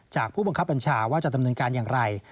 ผู้บังคับบัญชาว่าจะดำเนินการอย่างไร